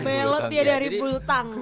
membelot dia dari bulutang